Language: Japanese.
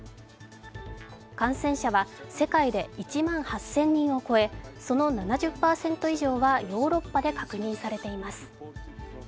感染者は世界で１万８０００人を超えその７０％以上はヨーロッパで確認されています。